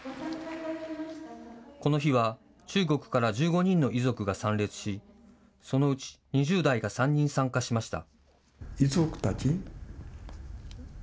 この日は中国から１５人の遺族が参列しそのうち２０代が３人参加しました。